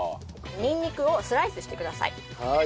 にんにくをスライスしてください。